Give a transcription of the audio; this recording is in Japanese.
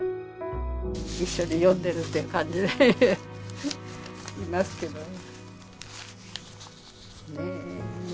一緒に読んでるって感じでいますけどね。